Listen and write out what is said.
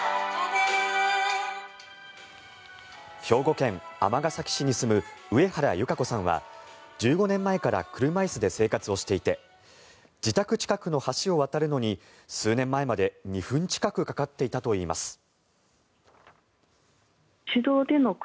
兵庫県尼崎市に住む上原裕圭子さんは１５年前から車椅子で生活をしていて自宅近くの橋を渡るのに数年前まで２分近くかかっていたといいます。